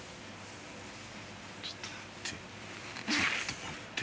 ちょっと待って。